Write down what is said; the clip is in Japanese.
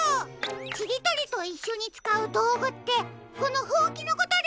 ちりとりといっしょにつかうどうぐってこのほうきのことですか？